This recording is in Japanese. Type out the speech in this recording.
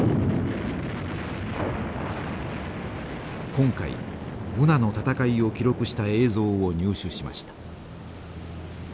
今回ブナの戦いを記録した映像を入手しました。